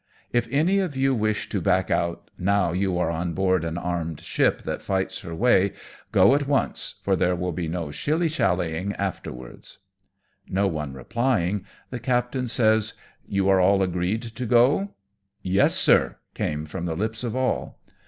If any of you wish FIRST VOYAGE AV THE " EAMONT" 3 to back out now you are on board an armed ship that fights her way, go at once, for there will be no shilly shallying afterwards." I^^o one replying, the captain says, " You are all agreed to go ?"" Yes, sir," came from the lips of all.